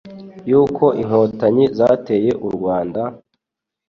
y'uko Inkotanyi zateye u Rwanda,